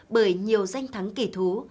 bởi nhiều danh thắng kỳ thú